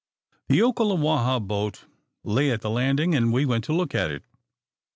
The Okalewaha boat lay at the landing; and we went to look at it.